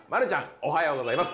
おはようございます。